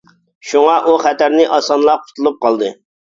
شۇڭا ئۇ خەتەرنى ئاسانلا قۇتۇلۇپ قالدى.